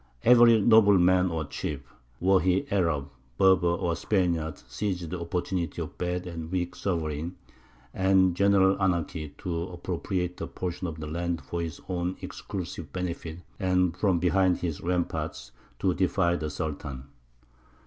Every nobleman or chief, were he Arab, Berber, or Spaniard, seized the opportunity of a bad and weak sovereign, and general anarchy, to appropriate a portion of the land for his own exclusive benefit, and from behind his ramparts to defy the Sultan.